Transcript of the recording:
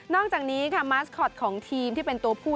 อกจากนี้ค่ะมาสคอตของทีมที่เป็นตัวผู้